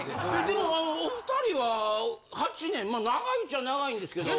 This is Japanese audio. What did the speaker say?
でもあのお２人は８年まあ長いっちゃ長いんですけど。